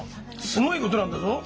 すごいことなんだぞ。